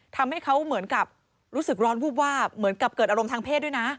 ทำให้เขาเหมือนกับรู้สึกร้อนวูบวาบเหมือนกับเกิดอารมณ์ทางเพศด้วยนะ